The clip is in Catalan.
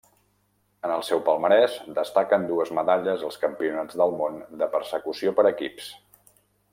En el seu palmarès destaquen dues medalles als Campionats del món de persecució per equips.